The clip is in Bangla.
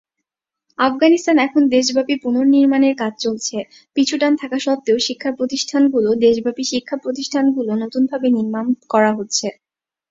আফগানিস্তান এখন দেশব্যাপী পুনঃনির্মাণ এর কাজ চলছে, পিছুটান থাকার সত্বেও শিক্ষার প্রতিষ্ঠান গুলো দেশব্যাপী শিক্ষাপ্রতিষ্ঠান গুলো নতুনভাবে নির্মাণ করা হচ্ছে।